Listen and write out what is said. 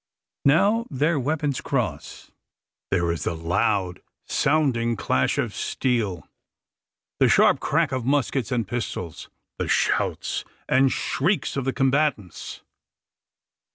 Now their weapons cross. There is the loud sounding clash of steel, the sharp crack of muskets and pistols, the shouts and shrieks of the combatants.